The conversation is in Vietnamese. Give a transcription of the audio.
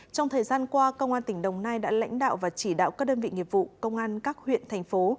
trong thời gian qua công an tỉnh đồng nai đã lãnh đạo và chỉ đạo các đơn vị nghiệp vụ công an các huyện thành phố